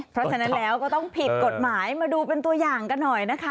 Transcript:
เพราะฉะนั้นแล้วก็ต้องผิดกฎหมายมาดูเป็นตัวอย่างกันหน่อยนะคะ